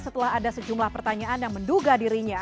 setelah ada sejumlah pertanyaan yang menduga dirinya